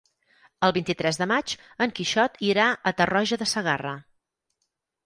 El vint-i-tres de maig en Quixot irà a Tarroja de Segarra.